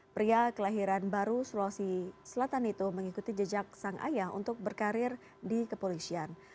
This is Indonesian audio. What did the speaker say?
pria kelahiran baru sulawesi selatan itu mengikuti jejak sang ayah untuk berkarir di kepolisian